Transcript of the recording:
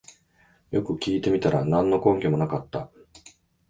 よく聞いてみたら何の根拠もなかった